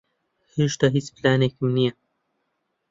ھێشتا ھیچ پلانێکم نییە.